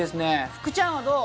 福ちゃんはどう？